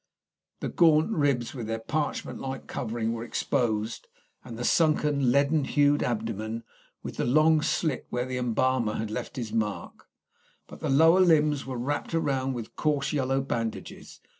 The gaunt ribs, with their parchment like covering, were exposed, and the sunken, leaden hued abdomen, with the long slit where the embalmer had left his mark; but the lower limbs were wrapt round with coarse yellow bandages.